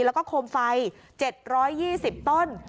แล้วก็โคมไฟ๗๒๐ต้น